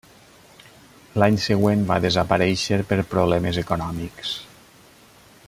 L'any següent va desaparèixer per problemes econòmics.